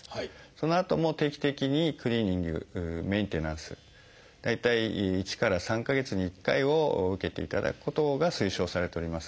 そのあとも定期的にクリーニングメンテナンス大体１から３か月に１回を受けていただくことが推奨されております。